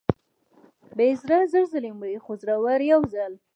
بې زړه زر ځلې مري، خو زړور یو ځل.